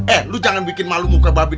eh lu jangan bikin malu muka babin